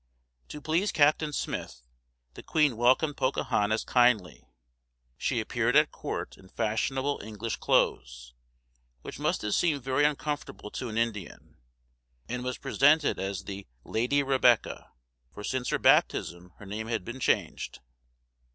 To please Captain Smith, the queen welcomed Pocahontas kindly. She appeared at court in fashionable English clothes, which must have seemed very uncomfortable to an Indian, and was presented as the "Lady Rebecca," for since her baptism her name had been changed.